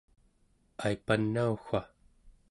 aipan nauwa?